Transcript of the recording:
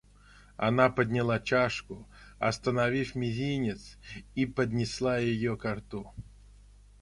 Она подняла чашку, отставив мизинец, и поднесла ее ко рту.